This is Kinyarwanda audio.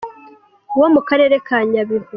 wo mu Karere ka Nyabihu.